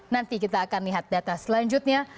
nanti kita akan lihat data selanjutnya